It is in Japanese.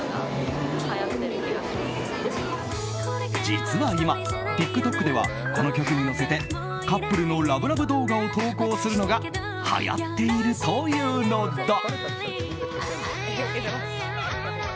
実は今、ＴｉｋＴｏｋではこの曲に乗せてカップルのラブラブ動画を投稿するのがはやっているというのだ。